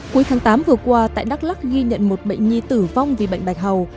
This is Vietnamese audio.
cuối tháng tám vừa qua tại đắk lắc ghi nhận một bệnh nhi tử vong vì bệnh bạch hầu